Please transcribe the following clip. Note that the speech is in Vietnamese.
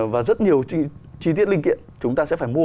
và rất nhiều chi tiết linh kiện chúng ta sẽ phải mua